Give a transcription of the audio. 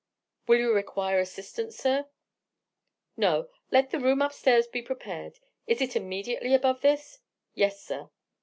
"Will you require assistance, sir?" "No. Let the room up stairs be prepared. Is it immediately above this?" "Yes, sir."